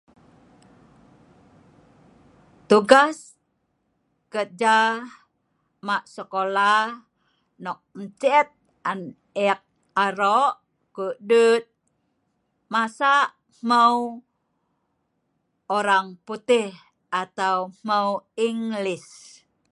Laot maq sekola, nok en cet on eek arok, Maca hmeu lun de’